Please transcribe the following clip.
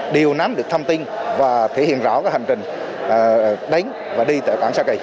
đều nắm được thông tin và thể hiện rõ hành trình đánh và đi tại cảng sa kỳ